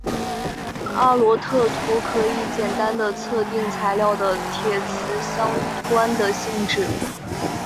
阿罗特图可以简单地测定材料的铁磁相关的性质。